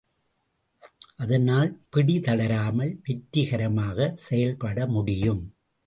அதனால் பிடி தளராமல் வெற்றிகரமாக செயல்பட முடியும்.